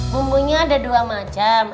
bumbunya ada dua macam